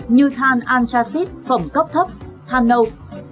như than anthracite phẩm cấp thấp than nâu